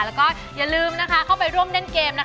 แล้วก็อย่าลืมเข้าไปร่วมเล่นเกม